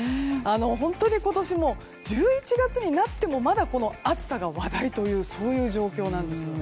本当に今年１１月になってもまだ、暑さが話題という状況なんですよね。